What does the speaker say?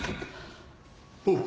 おう！